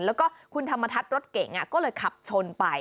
แล้วก็คุณธรรมทัศน์รถเก๋งก็เลยขับชนไป